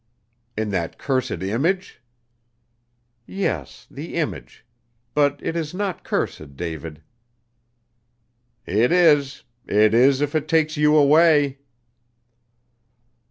"In that cursed image?" "Yes, the image. But it is not cursed, David." "It is it is if it takes you away."